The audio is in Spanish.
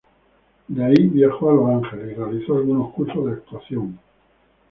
De ahí viajó a Los Ángeles y realizó algunos cursos de actuación.